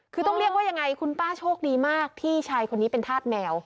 คือต้องเรียกว่ายังไงคุณป้าโชคดีมากที่ชายคนนี้เป็นธาตุแมว